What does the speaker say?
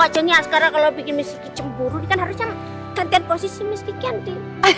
tahu aja nih askara kalau bikin miss gigi cemburu kan harusnya kan gantian posisi miss gigi andi